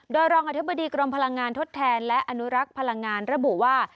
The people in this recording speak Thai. โดยรองอธิบดีกรมพลังงานทดแทนและอนุรักษ์พลังงานระบุว่า